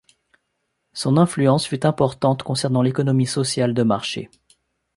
Son influence fut importante concernant l'économie sociale de marché.